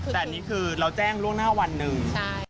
แต่อันนี้คือเราแจ้งล่วงหน้าวันหนึ่ง